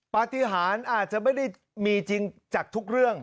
ปฏิหารอาจจะไม่ได้มีจริงจากทุกเรื่อง